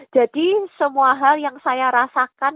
jadi semua hal yang saya rasakan